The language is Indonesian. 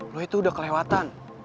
lo itu udah kelewatan